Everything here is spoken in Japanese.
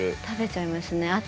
食べちゃいますね。